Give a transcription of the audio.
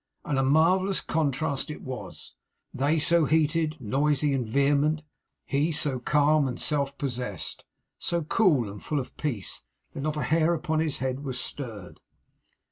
And a marvellous contrast it was they so heated, noisy, and vehement; he so calm, so self possessed, so cool and full of peace, that not a hair upon his head was stirred.